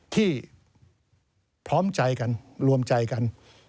ที่พร้อมใจกันรวมใจกัน